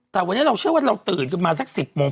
แต่วันนี้เราเชื่อว่าเราตื่นขึ้นมาสัก๑๐โมง